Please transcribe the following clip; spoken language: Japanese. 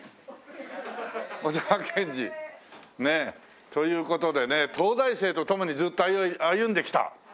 小沢健二。という事でね東大生と共にずっと歩んできた。